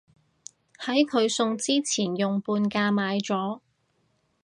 喺佢送之前用半價買咗